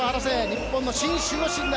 日本の新守護神だ！